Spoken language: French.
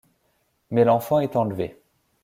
Mais l’enfant est enlevé.